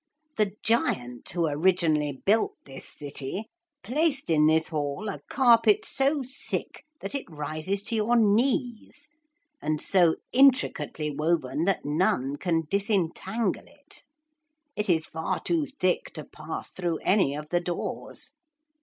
The giant who originally built this city placed in this hall a carpet so thick that it rises to your knees, and so intricately woven that none can disentangle it. It is far too thick to pass through any of the doors.